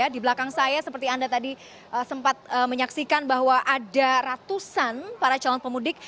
di belakang saya seperti anda tadi sempat menyaksikan bahwa ada ratusan para calon pemudik